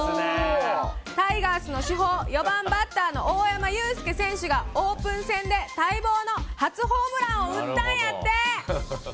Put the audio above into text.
タイガースの主砲、４番バッターの大山悠輔選手が、オープン戦で待望の初ホームランを打ったんやって。